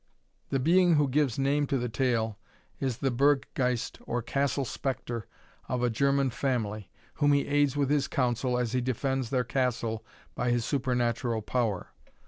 The being who gives name to the tale, is the Burg geist, or castle spectre, of a German family, whom he aids with his counsel, as he defends their castle by his supernatural power.